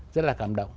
rất là cảm động